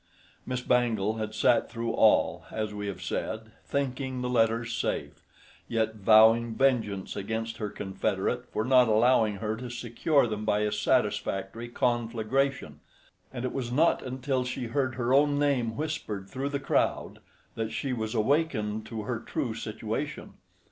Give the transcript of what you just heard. Miss Bangle had sat through all, as we have said, thinking the letters safe, yet vowing vengeance against her confederate for not allowing her to secure them by a satisfactory conflagration; and it was not until she heard her own name whispered through the crowd, that she was awakened to her true situation.